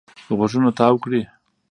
غوږونه تاو کړي.